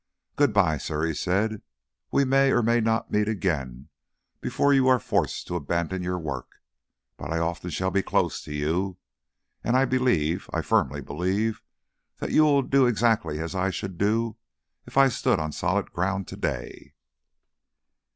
"Good bye, sir," he said. "We may or may not meet again before you too are forced to abandon your work. But I often shall be close to you, and I believe, I firmly believe, that you will do exactly as I should do if I stood on solid ground to day."